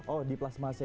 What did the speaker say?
oh di plasma c